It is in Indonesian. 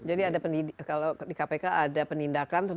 jadi ada kalau di kpk ada penindakan tentu saja